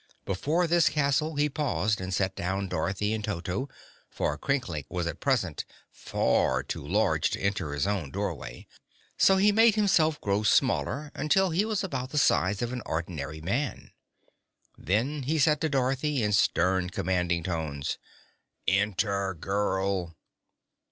Before this castle he paused to set down Dorothy and Toto, for Crinklink was at present far too large to enter his own doorway. So he made himself grow smaller, until he was about the size of an ordinary man. Then he said to Dorothy, in stern, commanding tones: "Enter, girl!"